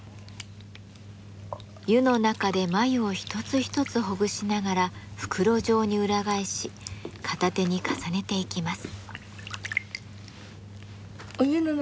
湯の中で繭を一つ一つほぐしながら袋状に裏返し片手に重ねていきます。